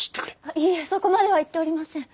いいえそこまでは言っておりません。